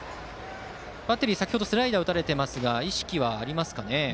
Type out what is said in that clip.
バッテリー先程スライダー打たれてますが意識はありますかね。